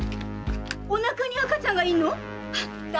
〔お腹に赤ちゃんがいるの？